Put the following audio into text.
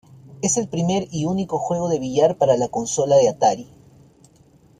Es el primer y único juego de billar para la consola de Atari.